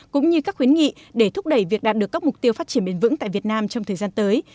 cũng như các khuyến nghị để thúc đẩy việc đạt được các mục tiêu phát triển bền vững tại việt nam trong thời gian tới